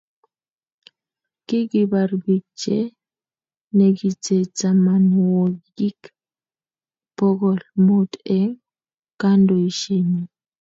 kikibar biik che negitee tamanwokik bokol muut eng kandoishenyi